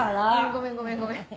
ごめんごめんごめん。